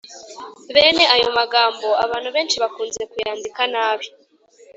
Bene ayo magambo abantu benshi bakunze kuyandika nabi